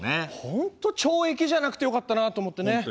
本当懲役じゃなくてよかったなと思ってね。